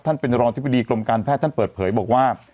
ท่านเป็นรองอธิบดีกรมการแพทย์ท่านเปิดเผยบอกว่า